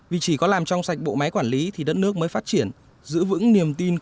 vì chỉ có làm trong sạch bộ máy quản lý thì đất nước mới phát triển